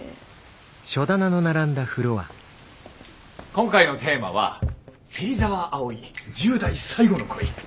今回のテーマは「芹澤あおい１０代最後の恋」。